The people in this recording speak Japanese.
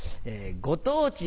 ご当地